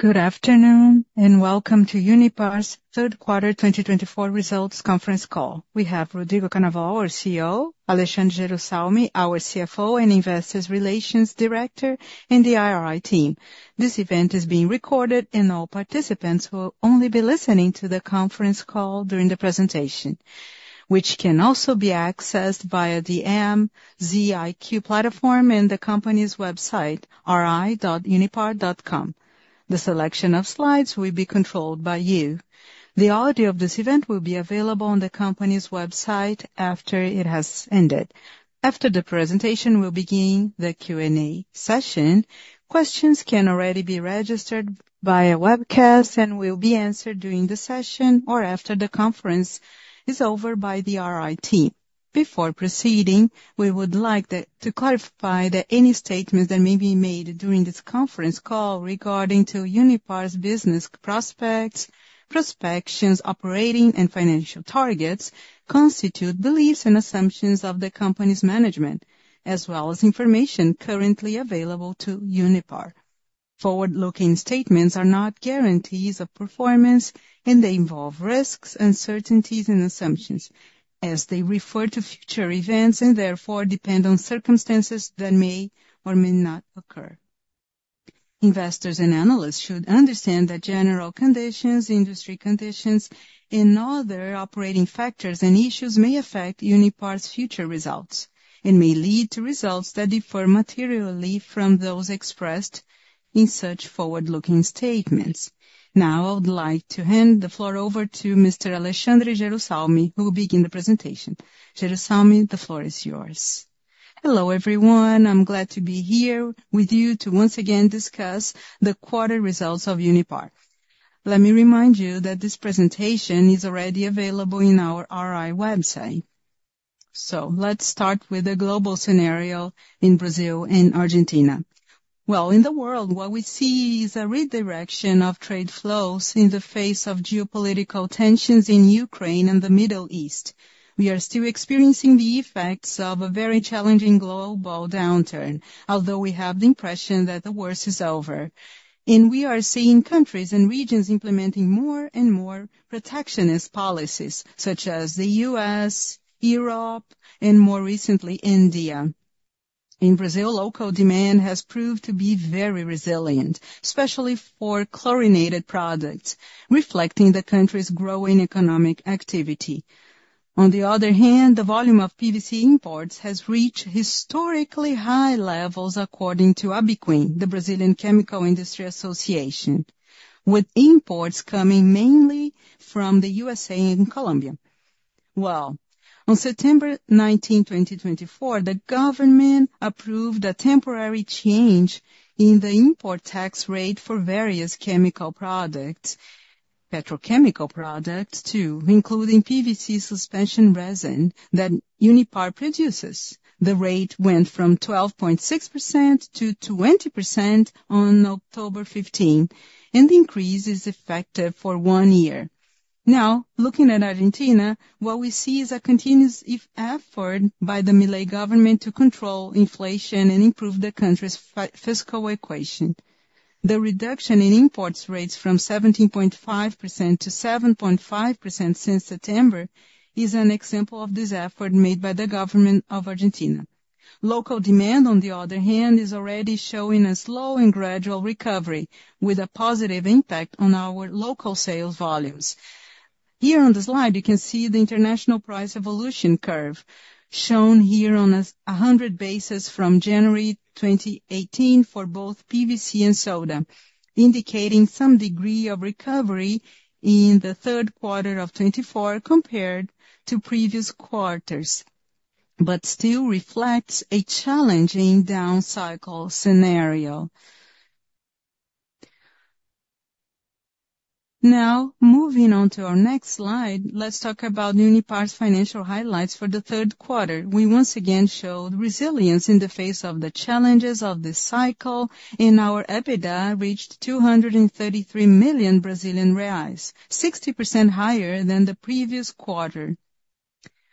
Good afternoon and welcome to Unipar's Q3 2024 Results Conference Call. We have Rodrigo Cannaval, our CEO; Alexandre Jerussalmy, our CFO and Investor Relations Director; and the IR team. This event is being recorded, and all participants will only be listening to the conference call during the presentation, which can also be accessed via the MZiQ platform and the company's website, ri.unipar.com. The selection of slides will be controlled by you. The audio of this event will be available on the company's website after it has ended. After the presentation, we'll begin the Q&A session. Questions can already be registered via webcast and will be answered during the session or after the conference is over by the IR team. Before proceeding, we would like to clarify that any statements that may be made during this conference call regarding Unipar's business prospects, prospections, operating, and financial targets constitute beliefs and assumptions of the company's management, as well as information currently available to Unipar. Forward-looking statements are not guarantees of performance, and they involve risks, uncertainties, and assumptions, as they refer to future events and therefore depend on circumstances that may or may not occur. Investors and analysts should understand that general conditions, industry conditions, and other operating factors and issues may affect Unipar's future results and may lead to results that differ materially from those expressed in such forward-looking statements. Now, I would like to hand the floor over to Mr. Alexandre Jerussalmy, who will begin the presentation. Jerussalmy, the floor is yours. Hello, everyone. I'm glad to be here with you to once again discuss the quarter results of Unipar. Let me remind you that this presentation is already available on our IR website. Let's start with the global scenario in Brazil and Argentina. In the world, what we see is a redirection of trade flows in the face of geopolitical tensions in Ukraine and the Middle East. We are still experiencing the effects of a very challenging global downturn, although we have the impression that the worst is over. We are seeing countries and regions implementing more and more protectionist policies, such as the US, Europe, and more recently, India. In Brazil, local demand has proved to be very resilient, especially for chlorinated products, reflecting the country's growing economic activity. On the other hand, the volume of PVC imports has reached historically high levels, according to Abiquim, the Brazilian Chemical Industry Association, with imports coming mainly from the USA and Colombia. On September 19, 2024, the government approved a temporary change in the import tax rate for various chemical products, petrochemical products, too, including PVC suspension resin that Unipar produces. The rate went from 12.6%-20% on October 15, and the increase is effective for one year. Now, looking at Argentina, what we see is a continuous effort by the Milei government to control inflation and improve the country's fiscal equation. The reduction in import rates from 17.5%-7.5% since September is an example of this effort made by the government of Argentina. Local demand, on the other hand, is already showing a slow and gradual recovery, with a positive impact on our local sales volumes. Here on the slide, you can see the international price evolution curve shown here on a 100 basis from January 2018 for both PVC and soda, indicating some degree of recovery in the Q3 of 2024 compared to previous quarters, but still reflects a challenging down cycle scenario. Now, moving on to our next slide, let's talk about Unipar's financial highlights for the Q3. We once again showed resilience in the face of the challenges of this cycle, and our EBITDA reached 233 million Brazilian reais, 60% higher than the previous quarter.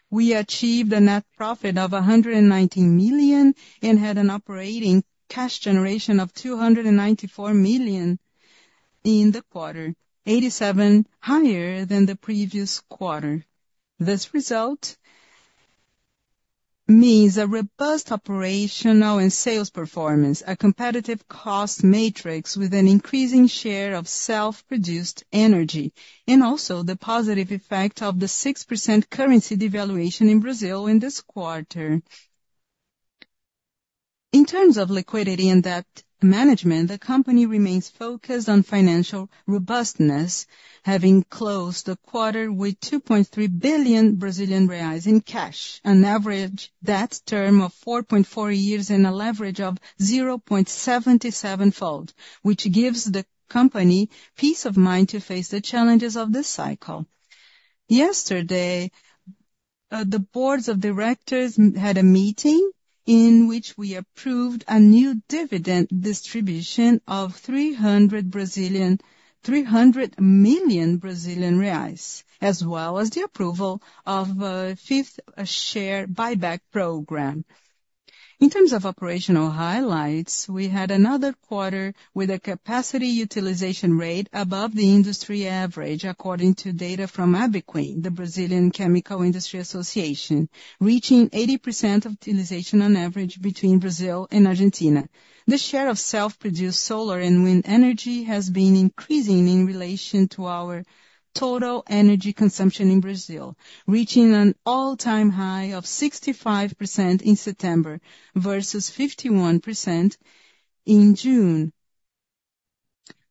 We achieved a net profit of 119 million and had an operating cash generation of 294 million in the quarter, 87% higher than the previous quarter. This result means a robust operational and sales performance, a competitive cost matrix with an increasing share of self-produced energy, and also the positive effect of the 6% currency devaluation in Brazil in this quarter. In terms of liquidity and debt management, the company remains focused on financial robustness, having closed the quarter with 2.3 billion Brazilian reais in cash, an average debt term of 4.4 years, and a leverage of 0.77-fold, which gives the company peace of mind to face the challenges of this cycle. Yesterday, the boards of directors had a meeting in which we approved a new dividend distribution of 300 million Brazilian reais, as well as the approval of a fifth share buyback program. In terms of operational highlights, we had another quarter with a capacity utilization rate above the industry average, according to data from Abiquim, the Brazilian Chemical Industry Association, reaching 80% of utilization on average between Brazil and Argentina. The share of self-produced solar and wind energy has been increasing in relation to our total energy consumption in Brazil, reaching an all-time high of 65% in September versus 51% in June.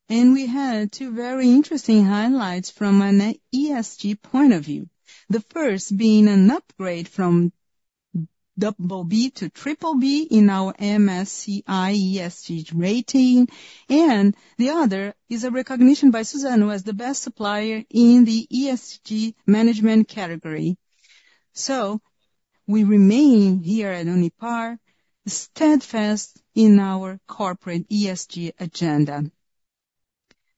And we had two very interesting highlights from an ESG point of view, the first being an upgrade from BB to BBB in our MSCI ESG rating, and the other is a recognition by Suzano as the best supplier in the ESG management category. So we remain here at Unipar steadfast in our corporate ESG agenda.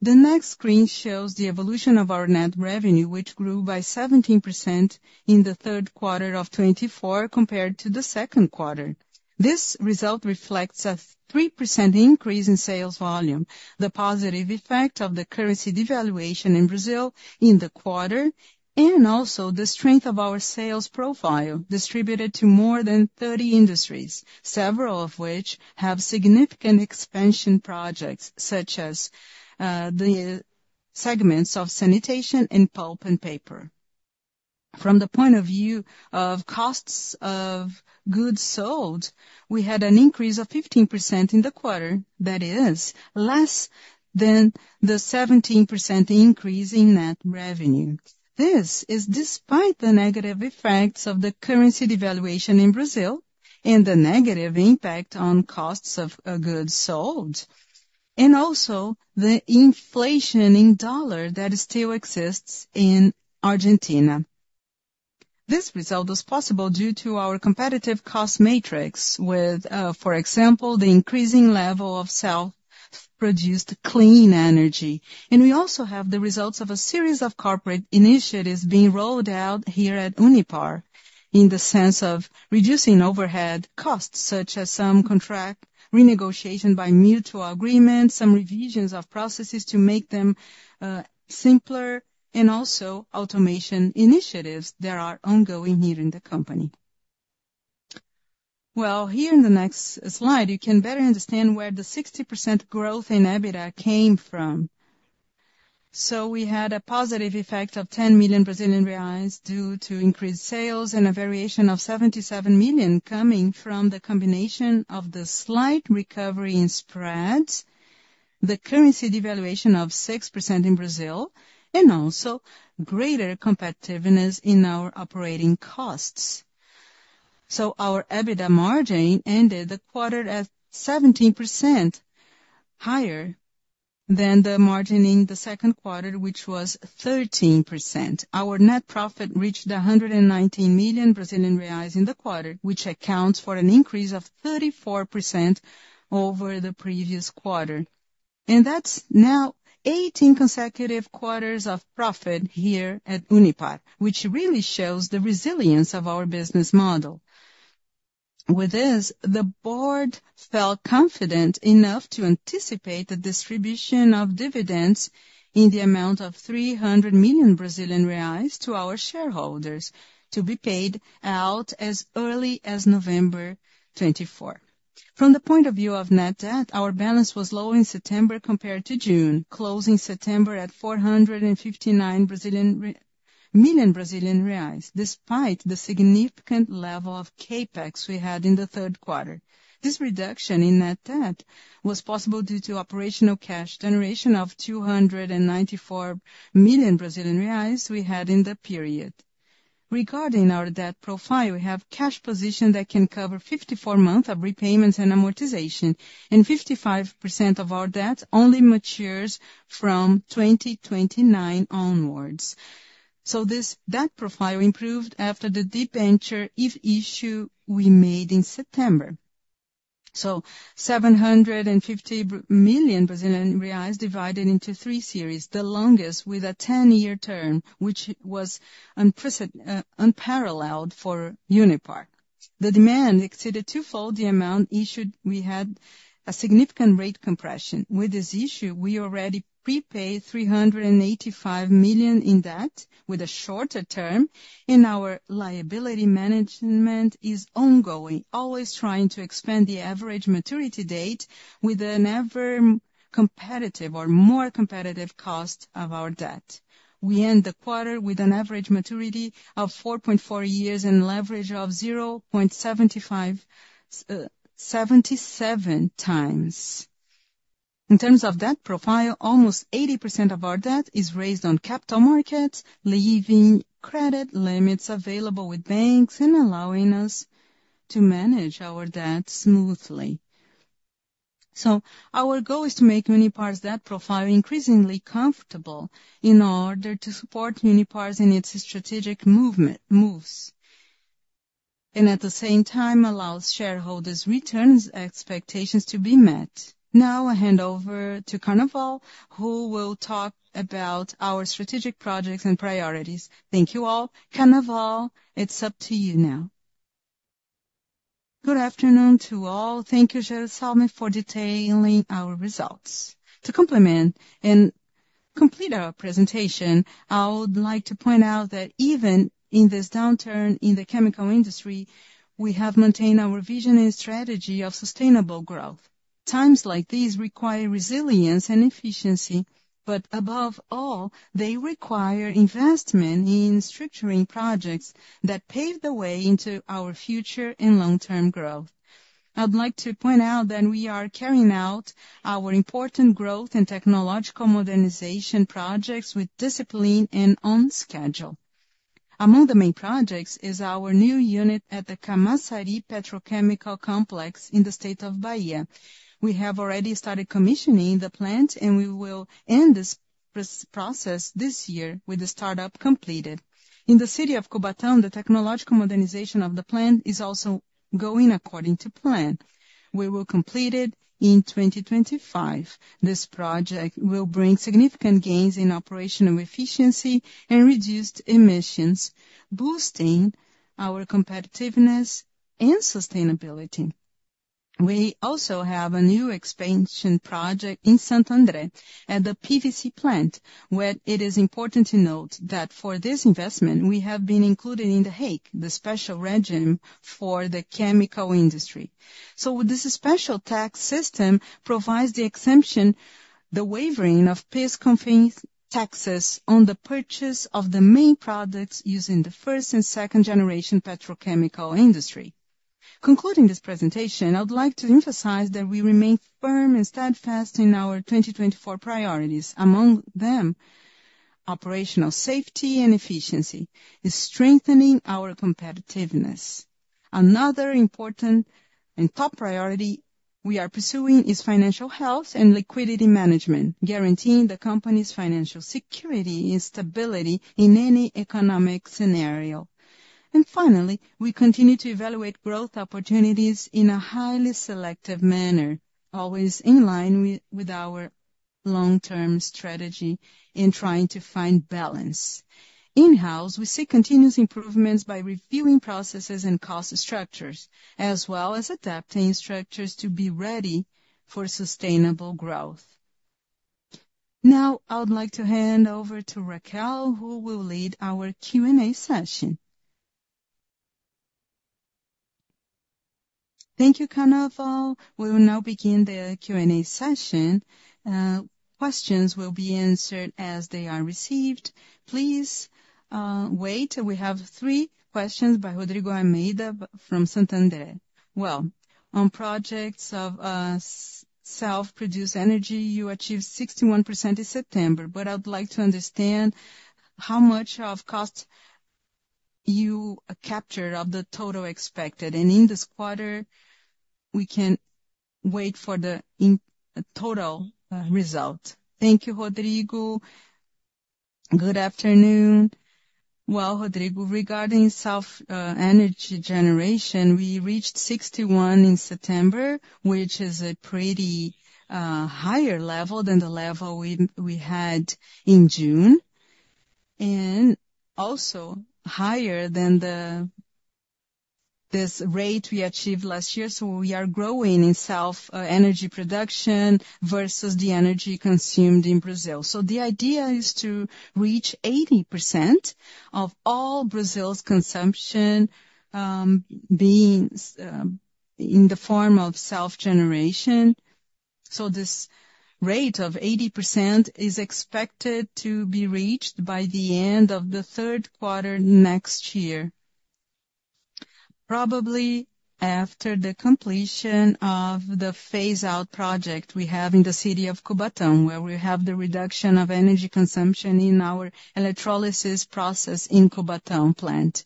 The next screen shows the evolution of our net revenue, which grew by 17% in the Q3 of 2024 compared to the Q2. This result reflects a 3% increase in sales volume, the positive effect of the currency devaluation in Brazil in the quarter, and also the strength of our sales profile distributed to more than 30 industries, several of which have significant expansion projects, such as the segments of sanitation and pulp and paper. From the point of view of cost of goods sold, we had an increase of 15% in the quarter, that is, less than the 17% increase in net revenue. This is despite the negative effects of the currency devaluation in Brazil and the negative impact on cost of goods sold, and also the inflation in dollars that still exists in Argentina. This result was possible due to our competitive cost matrix with, for example, the increasing level of self-produced clean energy. We also have the results of a series of corporate initiatives being rolled out here at Unipar in the sense of reducing overhead costs, such as some contract renegotiation by mutual agreement, some revisions of processes to make them simpler, and also automation initiatives that are ongoing here in the company. Here in the next slide, you can better understand where the 60% growth in EBITDA came from. We had a positive effect of 10 million Brazilian reais due to increased sales and a variation of 77 million BRL coming from the combination of the slight recovery in spreads, the currency devaluation of 6% in Brazil, and also greater competitiveness in our operating costs. Our EBITDA margin ended the quarter at 17% higher than the margin in the Q2, which was 13%. Our net profit reached 119 million Brazilian reais in the quarter, which accounts for an increase of 34% over the previous quarter. And that's now 18 consecutive quarters of profit here at Unipar, which really shows the resilience of our business model. With this, the board felt confident enough to anticipate the distribution of dividends in the amount of 300 million Brazilian reais to our shareholders to be paid out as early as November 2024. From the point of view of net debt, our balance was lower in September compared to June, closing September at 459 million Brazilian reais, despite the significant level of CAPEX we had in the Q3. This reduction in net debt was possible due to operational cash generation of 294 million Brazilian reais we had in the period. Regarding our debt profile, we have a cash position that can cover 54 months of repayments and amortization, and 55% of our debt only matures from 2029 onwards. So this debt profile improved after the debenture issue we made in September. So 750 million Brazilian reais divided into three series, the longest with a 10-year term, which was unparalleled for Unipar. The demand exceeded twofold the amount issued. We had a significant rate compression. With this issue, we already prepaid 385 million in debt with a shorter term, and our liability management is ongoing, always trying to expand the average maturity date with an ever-competitive or more competitive cost of our debt. We end the quarter with an average maturity of 4.4 years and leverage of 0.77 times. In terms of debt profile, almost 80% of our debt is raised on capital markets, leaving credit limits available with banks and allowing us to manage our debt smoothly. So our goal is to make Unipar's debt profile increasingly comfortable in order to support Unipar in its strategic moves and at the same time allow shareholders' return expectations to be met. Now, I hand over to Cannaval, who will talk about our strategic projects and priorities. Thank you all. Cannaval, it's up to you now. Good afternoon to all. Thank you, Jerussalmy, for detailing our results. To complement and complete our presentation, I would like to point out that even in this downturn in the chemical industry, we have maintained our vision and strategy of sustainable growth. Times like these require resilience and efficiency, but above all, they require investment in structuring projects that pave the way into our future and long-term growth. I'd like to point out that we are carrying out our important growth and technological modernization projects with discipline and on schedule. Among the main projects is our new unit at the Camaçari Petrochemical Complex in the state of Bahia. We have already started commissioning the plant, and we will end this process this year with the startup completed. In the city of Cubatão, the technological modernization of the plant is also going according to plan. We will complete it in 2025. This project will bring significant gains in operational efficiency and reduced emissions, boosting our competitiveness and sustainability. We also have a new expansion project in Cubatão at the PVC plant, where it is important to note that for this investment, we have been included in the REIQ, the special regime for the chemical industry. so this special tax system provides the exemption, the waiver of PIS/COFINS taxes on the purchase of the main products using the first and second-generation petrochemical industry. Concluding this presentation, I would like to emphasize that we remain firm and steadfast in our 2024 priorities. Among them, operational safety and efficiency is strengthening our competitiveness. Another important and top priority we are pursuing is financial health and liquidity management, guaranteeing the company's financial security and stability in any economic scenario. and finally, we continue to evaluate growth opportunities in a highly selective manner, always in line with our long-term strategy in trying to find balance. In-house, we see continuous improvements by reviewing processes and cost structures, as well as adapting structures to be ready for sustainable growth. Now, I would like to hand over to Raquel, who will lead our Q&A session. Thank you, Cannaval. We will now begin the Q&A session. Questions will be answered as they are received. Please wait. We have three questions by Rodrigo Almeida from Santander. On projects of self-produced energy, you achieved 61% in September, but I'd like to understand how much of cost you captured of the total expected, and in this quarter, we can wait for the total result. Thank you, Rodrigo. Good afternoon. Rodrigo, regarding self-energy generation, we reached 61 in September, which is a pretty higher level than the level we had in June, and also higher than this rate we achieved last year. We are growing in self-energy production versus the energy consumed in Brazil. The idea is to reach 80% of all Brazil's consumption being in the form of self-generation. This rate of 80% is expected to be reached by the end of the Q3 next year, probably after the completion of the phase-out project we have in the city of Cubatão, where we have the reduction of energy consumption in our electrolysis process in Cubatão plant.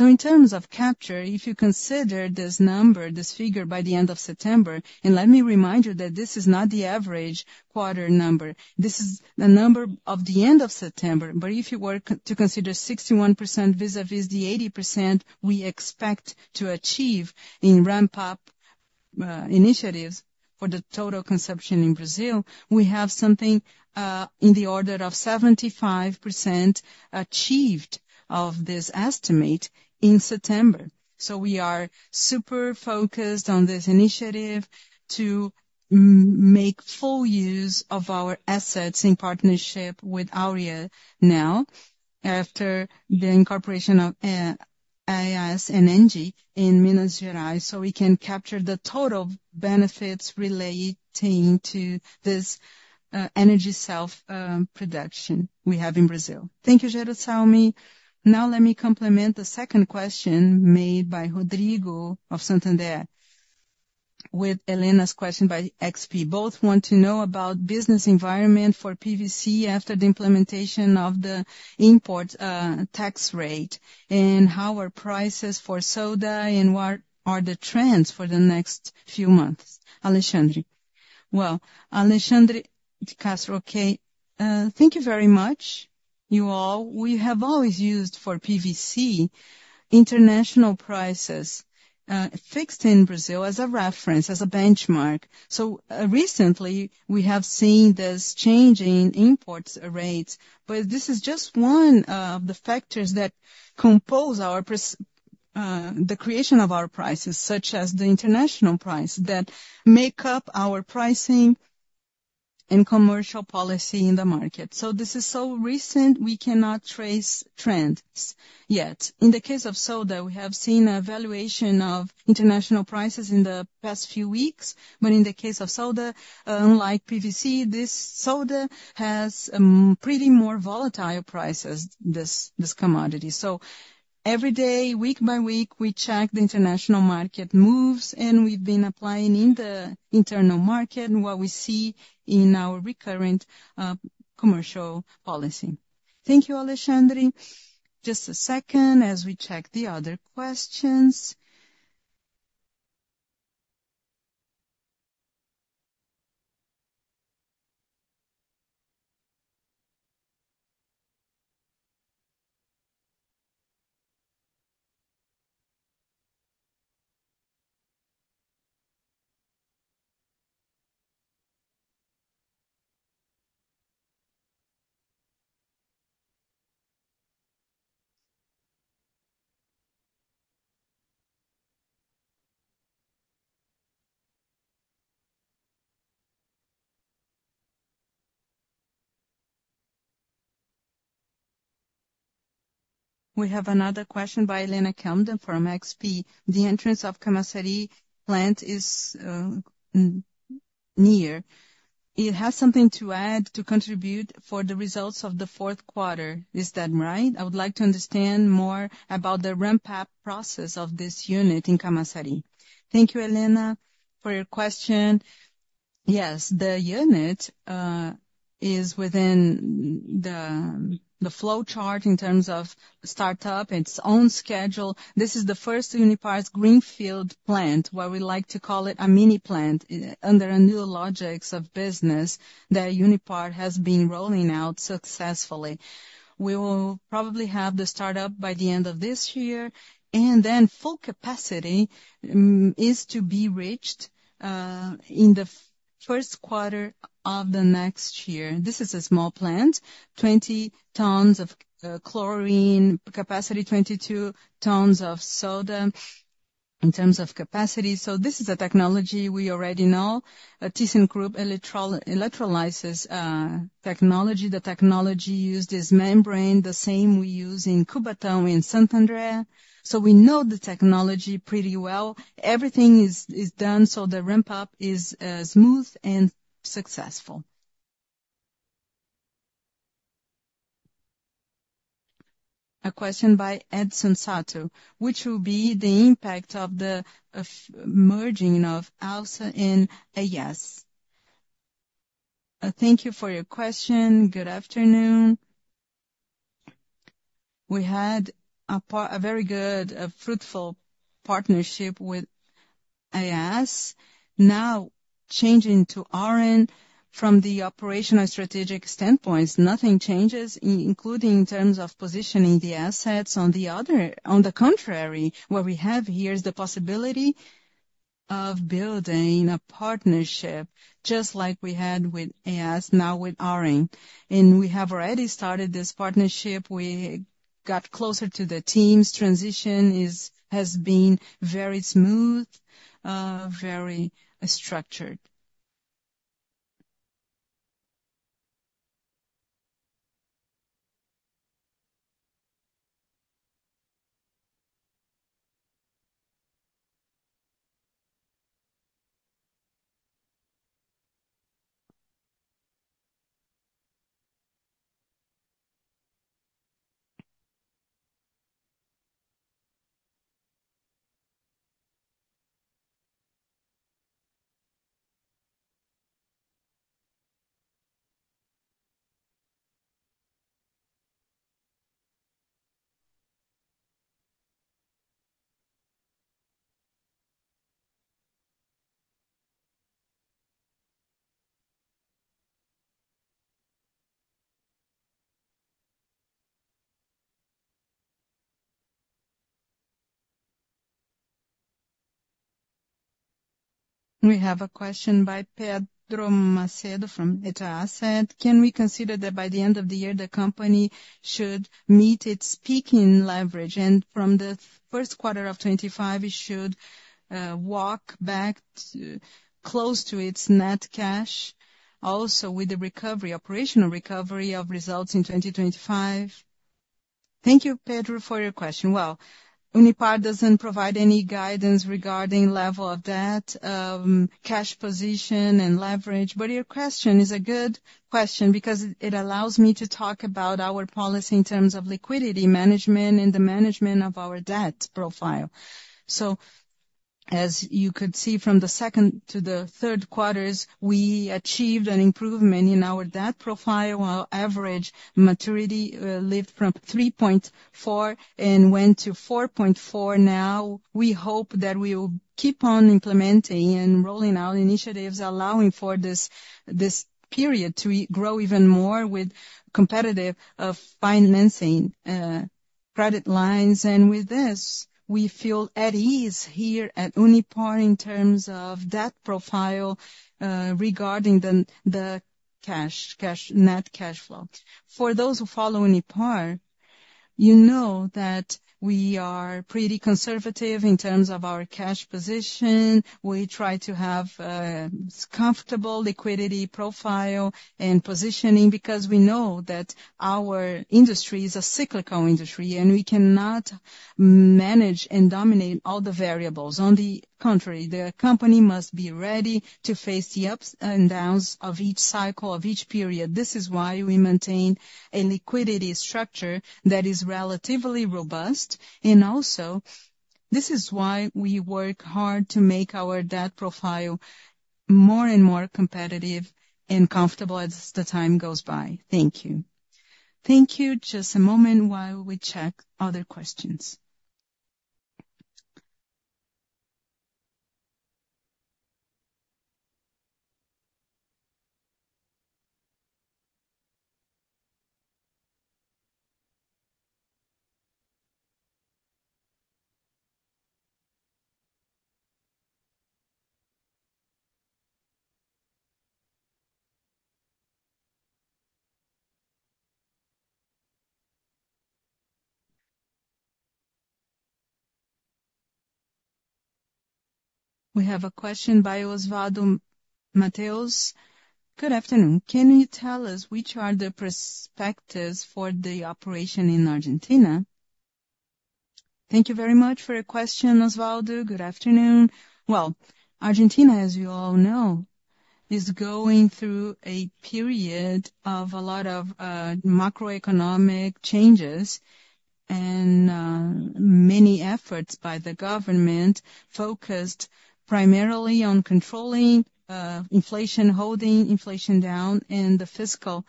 In terms of capture, if you consider this number, this figure by the end of September, and let me remind you that this is not the average quarter number. This is the number of the end of September. But if you were to consider 61% vis-à-vis the 80% we expect to achieve in ramp-up initiatives for the total consumption in Brazil, we have something in the order of 75% achieved of this estimate in September. So we are super focused on this initiative to make full use of our assets in partnership with Auren now after the incorporation of AES and Engie in Minas Gerais, so we can capture the total benefits relating to this energy self-production we have in Brazil. Thank you, Jerussalmy. Now, let me complement the second question made by Rodrigo of Santander with Elena's question by XP. Both want to know about the business environment for PVC after the implementation of the import tax rate and how are prices for soda and what are the trends for the next few months. Alexandre. Well, Alexandre de Castro, thank you very much, you all. We have always used for PVC international prices fixed in Brazil as a reference, as a benchmark. So recently, we have seen this change in import rates, but this is just one of the factors that compose the creation of our prices, such as the international price that makes up our pricing and commercial policy in the market. So this is so recent we cannot trace trends yet. In the case of soda, we have seen a valuation of international prices in the past few weeks, but in the case of soda, unlike PVC, this soda has pretty more volatile prices, this commodity. So every day, week by week, we check the international market moves, and we've been applying in the internal market what we see in our recurrent commercial policy. Thank you, Alexandre. Just a second as we check the other questions. We have another question by Elena Campbell from XP. The in-service of Camaçari plant is near. It has something to add to contribute for the results of the Q4. Is that right? I would like to understand more about the ramp-up process of this unit in Camaçari. Thank you, Elena, for your question. Yes, the unit is within the flow chart in terms of startup, its own schedule. This is the first Unipar's greenfield plant, what we like to call it a mini plant under a new logic of business that Unipar has been rolling out successfully. We will probably have the startup by the end of this year, and then full capacity is to be reached in the Q1 of the next year. This is a small plant, 20 tons of chlorine, capacity 22 tons of soda in terms of capacity. So this is a technology we already know thyssenkrupp nucera electrolysis technology. The technology used is membrane, the same we use in Cubatão, in Santander. So we know the technology pretty well. Everything is done so the ramp-up is smooth and successful. A question by Edson Sato. Which will be the impact of the merging of ALSA and AES? Thank you for your question. Good afternoon. We had a very good, fruitful partnership with AES. Now, changing to Auren from the operational strategic standpoint, nothing changes, including in terms of positioning the assets. On the contrary, what we have here is the possibility of building a partnership just like we had with AES, now with Auren. And we have already started this partnership. We got closer to the teams. Transition has been very smooth, very structured. We have a question by Pedro Macedo from Itaú Asset. Can we consider that by the end of the year, the company should meet its peaking leverage? And from the Q1 of 2025, it should walk back close to its net cash, also with the recovery, operational recovery of results in 2025? Thank you, Pedro, for your question. Well, Unipar doesn't provide any guidance regarding level of debt, cash position, and leverage. But your question is a good question because it allows me to talk about our policy in terms of liquidity management and the management of our debt profile. So as you could see from the second to the Q3s, we achieved an improvement in our debt profile. Our average maturity lived from 3.4 and went to 4.4. Now, we hope that we will keep on implementing and rolling out initiatives, allowing for this period to grow even more with competitive financing, credit lines. With this, we feel at ease here at Unipar in terms of debt profile regarding the net cash flow. For those who follow Unipar, you know that we are pretty conservative in terms of our cash position. We try to have a comfortable liquidity profile and positioning because we know that our industry is a cyclical industry, and we cannot manage and dominate all the variables. On the contrary, the company must be ready to face the ups and downs of each cycle, of each period. This is why we maintain a liquidity structure that is relatively robust. Also, this is why we work hard to make our debt profile more and more competitive and comfortable as the time goes by. Thank you. Thank you. Just a moment while we check other questions. We have a question by Osvaldo Mateus. Good afternoon. Can you tell us which are the perspectives for the operation in Argentina? Thank you very much for your question, Osvaldo. Good afternoon. Argentina, as you all know, is going through a period of a lot of macroeconomic changes and many efforts by the government focused primarily on controlling inflation, holding inflation down, and the fiscal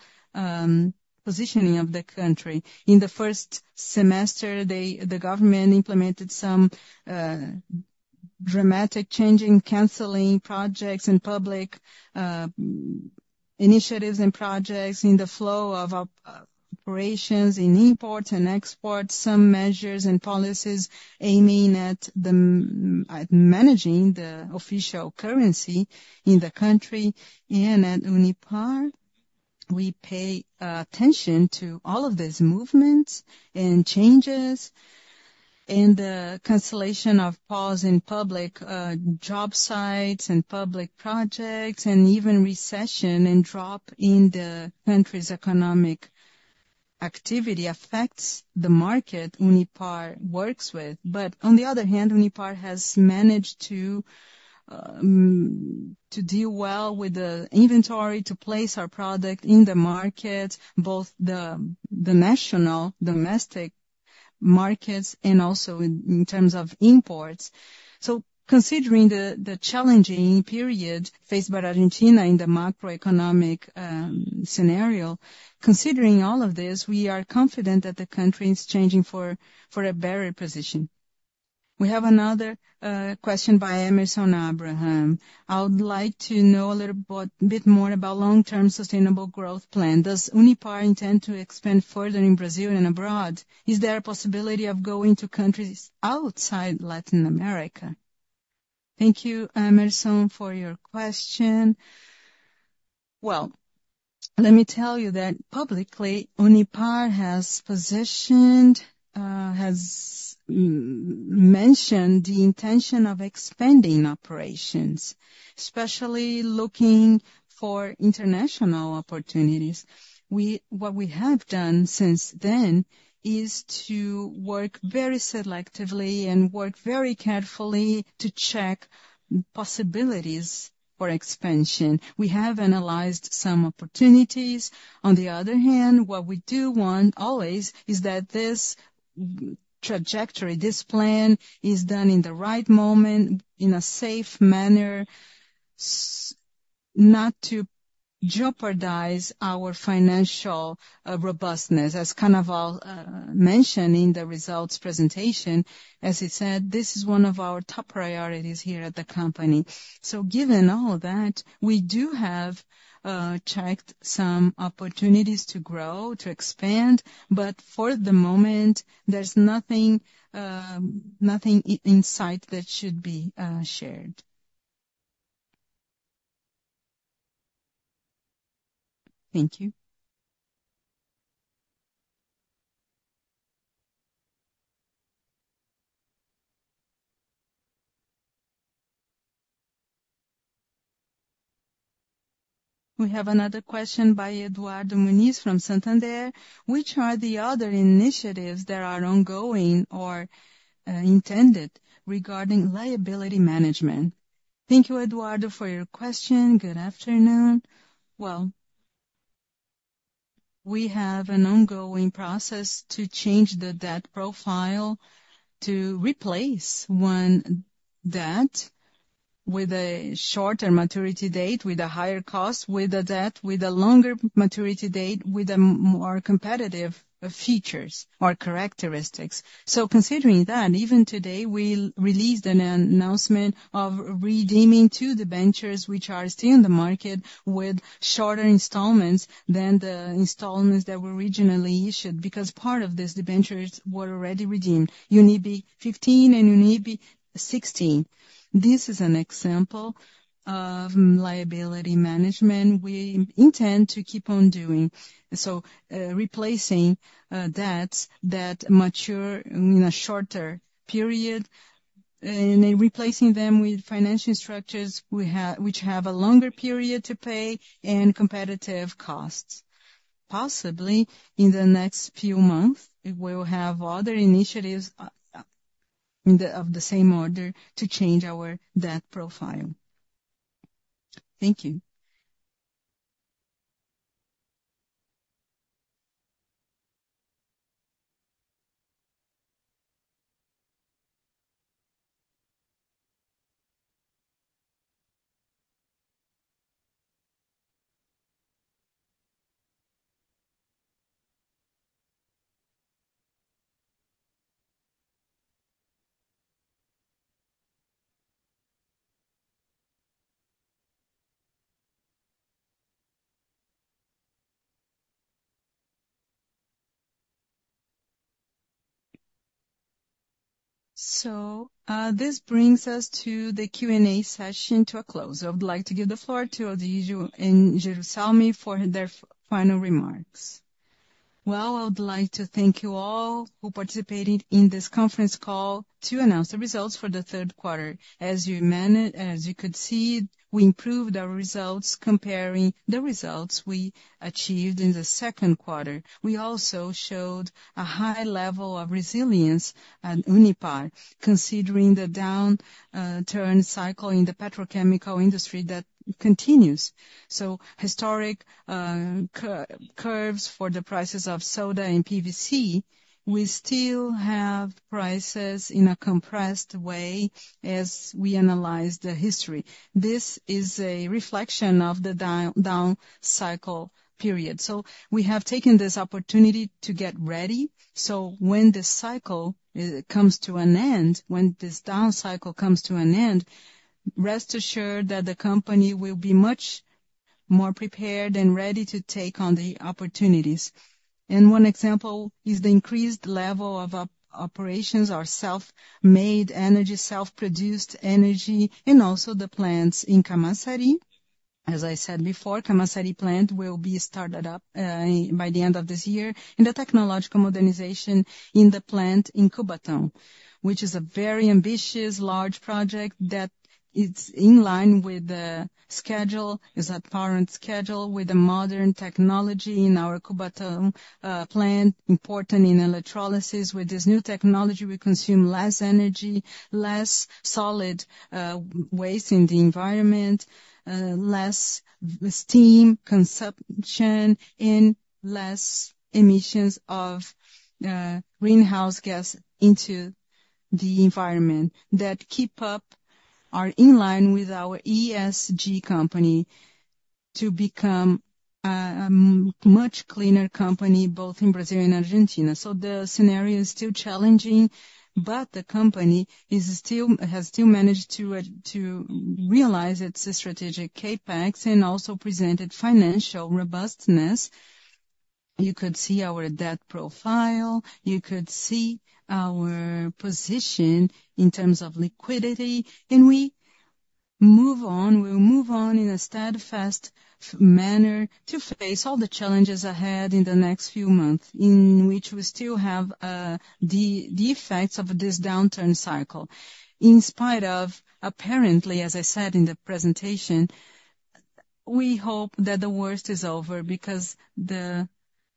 positioning of the country. In the first semester, the government implemented some dramatic changes, canceling projects and public initiatives and projects in the flow of operations in import and export, some measures and policies aiming at managing the official currency in the country. At Unipar, we pay attention to all of these movements and changes. The cancellation or pause in public job sites and public projects, and even recession and drop in the country's economic activity affects the market Unipar works with. But on the other hand, Unipar has managed to deal well with the inventory to place our product in the market, both the national domestic markets and also in terms of imports. So considering the challenging period faced by Argentina in the macroeconomic scenario, considering all of this, we are confident that the country is changing for a better position. We have another question by Emerson Abraham. I would like to know a little bit more about long-term sustainable growth plan. Does Unipar intend to expand further in Brazil and abroad? Is there a possibility of going to countries outside Latin America? Thank you, Emerson, for your question. Well, let me tell you that publicly, Unipar has mentioned the intention of expanding operations, especially looking for international opportunities. What we have done since then is to work very selectively and work very carefully to check possibilities for expansion. We have analyzed some opportunities. On the other hand, what we do want always is that this trajectory, this plan is done in the right moment in a safe manner, not to jeopardize our financial robustness, as kind of mentioned in the results presentation. As he said, this is one of our top priorities here at the company. So given all that, we do have checked some opportunities to grow, to expand, but for the moment, there's nothing in sight that should be shared. Thank you. We have another question by Eduardo Muniz from Santander. Which are the other initiatives that are ongoing or intended regarding liability management? Thank you, Eduardo, for your question. Good afternoon. Well, we have an ongoing process to change the debt profile to replace one debt with a shorter maturity date, with a higher cost, with a debt with a longer maturity date, with more competitive features or characteristics. So considering that, even today, we released an announcement of redeeming two debentures which are still in the market with shorter installments than the installments that were originally issued because part of these debentures were already redeemed, UNIP 15 and UNIP 16. This is an example of liability management we intend to keep on doing. So replacing debts that mature in a shorter period and replacing them with financial structures which have a longer period to pay and competitive costs. Possibly in the next few months, we will have other initiatives of the same order to change our debt profile. Thank you. This brings the Q&A session to a close. I would like to give the floor to Rodrigo and Jerussalmy for their final remarks. I would like to thank you all who participated in this conference call to announce the results for the Q3. As you could see, we improved our results comparing the results we achieved in the Q2. We also showed a high level of resilience at Unipar, considering the downturn cycle in the petrochemical industry that continues. Historic curves for the prices of soda and PVC, we still have prices in a compressed way as we analyze the history. This is a reflection of the down cycle period. We have taken this opportunity to get ready. When the cycle comes to an end, when this down cycle comes to an end, rest assured that the company will be much more prepared and ready to take on the opportunities. One example is the increased level of operations, our self-made energy, self-produced energy, and also the plants in Camaçari. As I said before, Camaçari plant will be started up by the end of this year in the technological modernization in the plant in Cubatão, which is a very ambitious, large project that is in line with the schedule, is a current schedule with the modern technology in our Cubatão plant, important in electrolysis. With this new technology, we consume less energy, less solid waste in the environment, less steam consumption, and less emissions of greenhouse gas into the environment that keep up or in line with our ESG company to become a much cleaner company, both in Brazil and Argentina. So the scenario is still challenging, but the company has still managed to realize its strategic CAPEX and also presented financial robustness. You could see our debt profile. You could see our position in terms of liquidity. And we move on. We'll move on in a steadfast manner to face all the challenges ahead in the next few months in which we still have the effects of this downturn cycle. In spite of apparently, as I said in the presentation, we hope that the worst is over because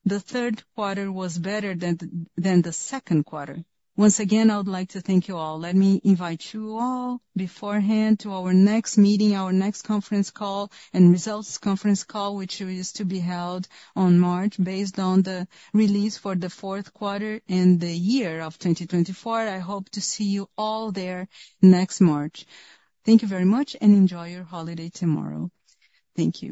the Q3 was better than the Q2. Once again, I would like to thank you all. Let me invite you all beforehand to our next meeting, our next conference call and results conference call, which is to be held on March based on the release for the Q4 and the year of 2024. I hope to see you all there next March. Thank you very much and enjoy your holiday tomorrow. Thank you.